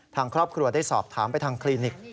ทางครอบครัวได้สอบถามไปทางคลินิก